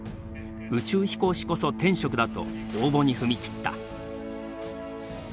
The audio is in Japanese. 宇宙飛行士こそ天職だと応募に踏み切った。